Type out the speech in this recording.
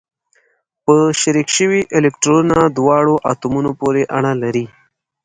په شریک شوي الکترونونه دواړو اتومونو پورې اړه لري.